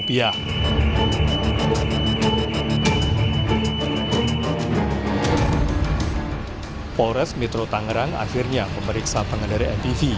polres metro tangerang akhirnya memeriksa pengendara mtv